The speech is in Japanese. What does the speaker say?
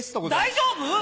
大丈夫？